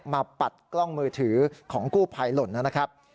ปัดกล้องมือถือของกู้ภัยหล่นนะครับ